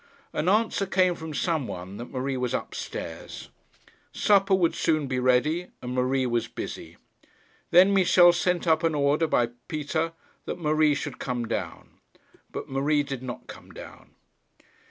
An answer came from some one that Marie was upstairs. Supper would soon be ready, and Marie was busy. Then Michel sent up an order by Peter that Marie should come down. But Marie did not come down.